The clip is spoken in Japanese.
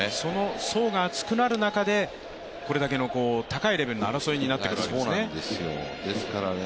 層が厚くなる中でこれだけの高いレベルの争いになってくるんですね。